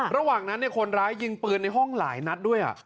ระหว่างนั้นคนร้ายยิงปืนในห้องหลายนัดด้วย